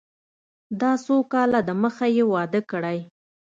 دا څو کاله د مخه يې واده کړى.